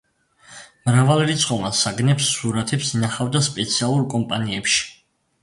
მრავალრიცხოვან საგნებს, სურათებს, ინახავდა სპეციალურ კომპანიებში.